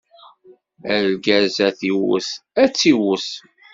Argaz ad iwwet, ad ittuwwet.